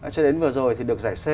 cho đến vừa rồi thì được giải c